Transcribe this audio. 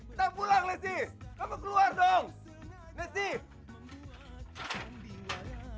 itu udah pilihan mereka berdua